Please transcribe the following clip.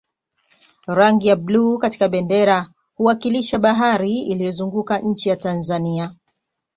rangi ya bluu katika bendera huwakilisha bahari iliyozunguka nchi ya tanzania